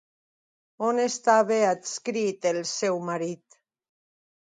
On estava adscrit el seu marit?